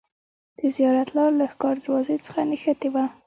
د زیارت لار له ښکار دروازې څخه نښتې وه.